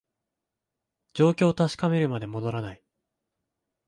状況を確かめるまで戻らない